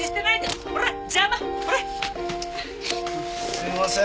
すいません。